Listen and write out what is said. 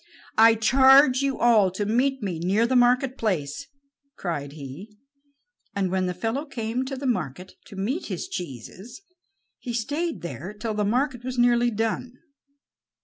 "I charge you all to meet me near the marketplace"; and when the fellow came to the market to meet his cheeses, he stayed there till the market was nearly done.